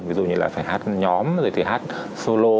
ví dụ như là phải hát nhóm rồi thì hát solo